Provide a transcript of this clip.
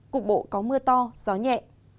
cục bộ có mưa to gió nhẹ